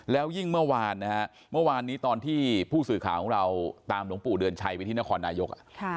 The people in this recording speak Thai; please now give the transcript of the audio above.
แล้วยิ่งเมื่อวานนะฮะเมื่อวานนี้ตอนที่ผู้สื่อข่าวของเราตามหลวงปู่เดือนชัยไปที่นครนายก